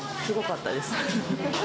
すごかったです。